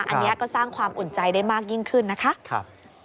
อันนี้ก็สร้างความอุ่นใจได้มากยิ่งขึ้นนะคะ